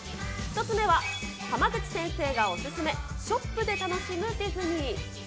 １つ目は、濱口先生がお勧め、ショップで楽しむディズニー。